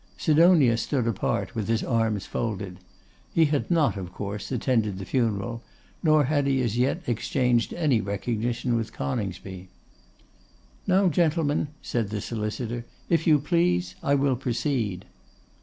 Sidonia stood apart, with his arms folded. He had not, of course attended the funeral, nor had he as yet exchanged any recognition with Coningsby. 'Now, gentlemen,' said the solicitor, 'if you please, I will proceed.